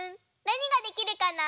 なにができるかな？